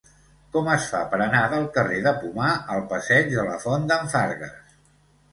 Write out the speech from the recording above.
Com es fa per anar del carrer de Pomar al passeig de la Font d'en Fargues?